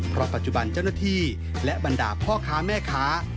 เพราะปัจจุบันเจ้าหน้าที่และบรรดาพ่อค้าแม่ค้า